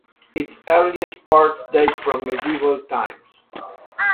Its earliest parts date from medieval times.